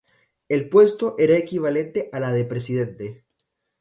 El puesto era equivalente a la de presidente.